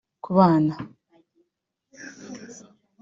Kubana